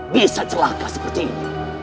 bisa celaka seperti ini